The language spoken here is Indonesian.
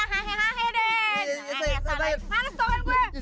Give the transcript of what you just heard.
kalo besok uang dari ini